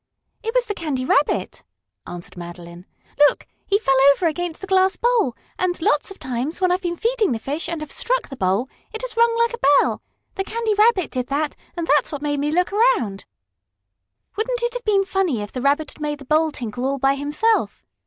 "It was the Candy Rabbit," answered Madeline. "Look! He fell over against the glass bowl, and, lots of times, when I've been feeding the fish and have struck the bowl, it has rung like a bell. The Candy Rabbit did that, and that's what made me look around." "Wouldn't it have been funny if the Rabbit had made the bowl tinkle all by himself?"